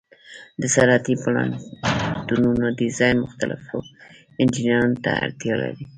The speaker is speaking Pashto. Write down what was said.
د صنعتي پلانټونو ډیزاین مختلفو انجینرانو ته اړتیا لري.